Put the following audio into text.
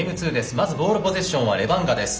まずボールポゼッションはレバンガです。